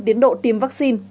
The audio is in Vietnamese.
tiến độ tiêm vaccine